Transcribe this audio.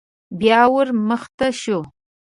بيا ور مخته شو.